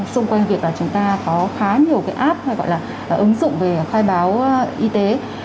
xung quanh việc là chúng ta có khá nhiều cái app hay gọi là ứng dụng về khai báo y tế